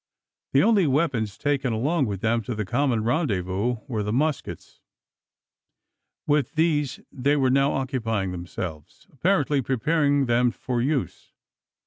The only weapons taken along with them to the common rendezvous were the muskets. With these they were now occupying themselves apparently preparing them for use.